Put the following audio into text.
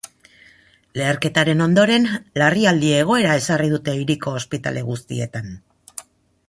Leherketaren ondoren larrialdi egoera ezarri dute hiriko ospitale guztietan.